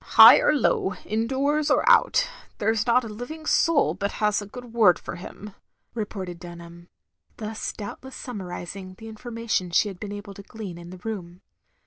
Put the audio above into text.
" High or low, indoors or out, there 's not a living soul but has a good word for him," re ported Dunham, thus doubtless sunmiarising the information she had been able to glean in the Room.